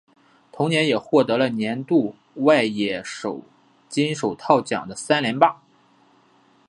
同年也获得了年度外野手金手套奖的三连霸。